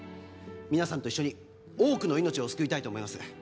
皆さんと一緒に多くの命を救いたいと思います